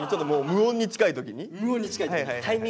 無音に近い時に。